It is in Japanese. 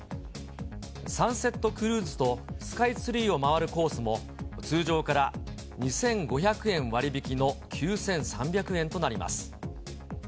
サンセットクルーズとスカイツリーを回るコースも、通常から２５００円割引の９３００円となります。